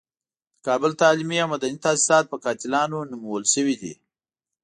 د کابل تعلیمي او مدني تاسیسات په قاتلانو نومول شوي دي.